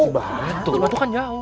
cibatu kan jauh